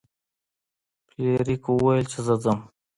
فلیریک وویل چې زه ځم.